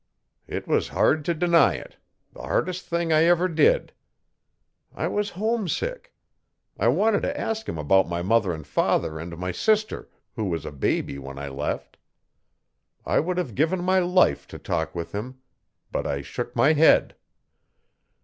It was hard to deny it the hardest thing I ever did. I was homesick; I wanted to ask him about my mother and father and my sister, who was a baby when I left. I would have given my life to talk with him. But I shook my head.